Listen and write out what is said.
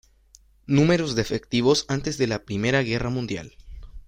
Números de efectivos antes de la Primera Guerra Mundial.